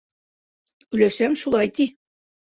— Өләсәм шулай ти.